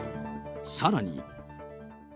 さらに。